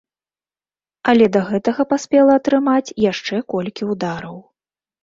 Але да гэтага паспела атрымаць яшчэ колькі ўдараў.